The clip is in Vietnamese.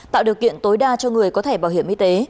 tạo điều kiện tối đa cho người có thẻ bảo hiểm y tế